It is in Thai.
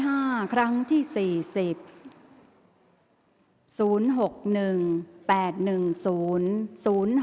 ข่าวแถวรับทีวีรายงาน